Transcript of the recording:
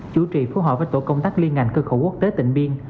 chủ trì phối hợp với tổ công tác liên ngành cơ khẩu quốc tế tịnh biên